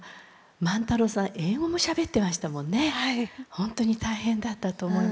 本当に大変だったと思います。